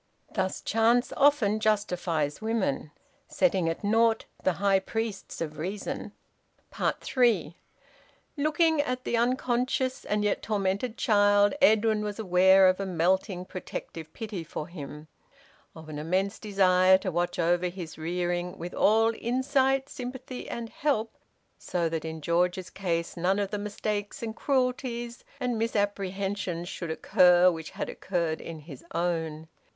Thus chance often justifies women, setting at naught the high priests of reason. THREE. Looking at the unconscious and yet tormented child, Edwin was aware of a melting protective pity for him, of an immense desire to watch over his rearing with all insight, sympathy, and help, so that in George's case none of the mistakes and cruelties and misapprehensions should occur which had occurred in his own.